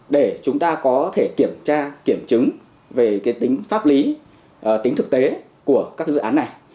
để chúng ta có thể kiểm tra kiểm chứng về tính pháp lý tính thực tế của các dự án này